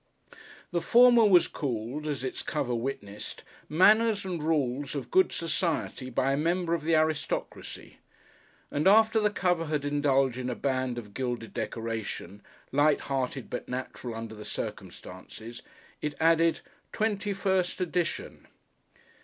The former was called, as its cover witnessed, "Manners and Rules of Good Society, by a Member of the Aristocracy," and after the cover had indulged in a band of gilded decoration, light hearted but natural under the circumstances, it added "TWENTY FIRST EDITION."